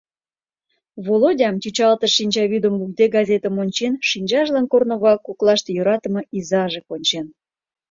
Володя, чӱчалтыш шинчавӱдым лукде, газетым ончен, шинчажлан корно-влак коклаште йӧратыме изаже кончен.